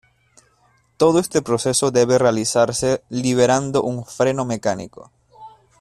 Todo este proceso debe realizarse liberando un freno mecánico.